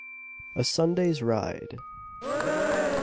A SUNDAY'S RIDE. Mr.